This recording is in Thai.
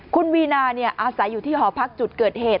คุณวีนาอาศัยอยู่ที่หอพักจุดเกิดเหตุ